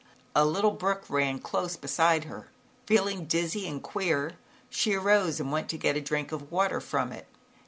A little brook ran close beside her. Feeling dizzy and queer, she arose and went to get a drink of water from it.